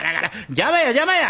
「邪魔や邪魔や！